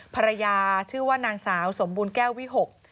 ภรรยาชื่อว่านางสาวสมบูรณแก้ววิหก